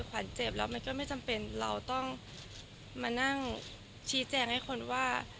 ขวัญเจ็บแล้วมันก็ไม่จำเป็นเราต้องมานั่งชี้แจงให้คนว่า